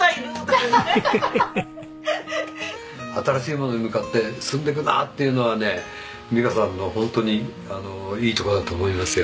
新しいものに向かって進んでいくなっていうのはね美香さんのホントにいいところだと思いますよ。